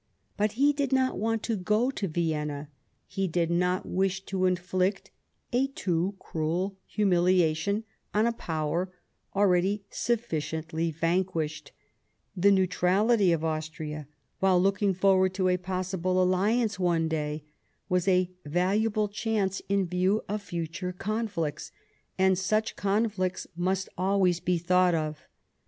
But he did not want to go to Vienna ; he did not wish to inflict a too cruel humiliation on a Power already sufficiently vanquished ; the neutrality of Austria, while looking forward to a possible alliance one day, was a valuable chance in view of future conflicts, and such conflicts must always be thought of.